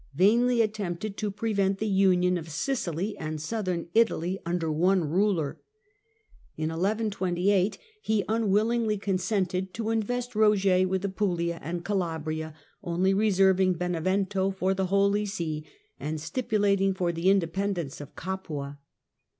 vainly attempted to prevent the union of Sicily and Southern Italy under one ruler. In 1128 he unwillingly consented to invest Roger with Apulia and Calabria, only reserving Benevento for the Holy See, and stipulating for the independence of Capua.